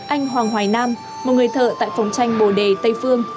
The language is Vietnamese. anh hoàng hoài nam một người thợ tại phòng tranh bồ đề tây phương